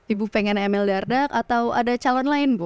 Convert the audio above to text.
ibu pengen emil dardak atau ada calon lain bu